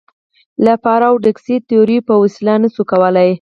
له پاراډوکسي تیوریو په وسیله نه شو کولای.